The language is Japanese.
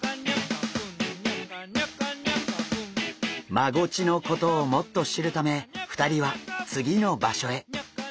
マゴチのことをもっと知るため２人は次の場所へ！